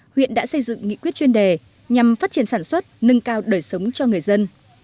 huyện đã xây dựng nghị quyết chuyên đề nhằm phát triển sản xuất nâng cao đời sống cho người dân